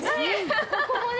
ここもね。